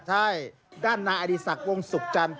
ใช่ด้านนายอดีศักดิ์วงศุกร์จันทร์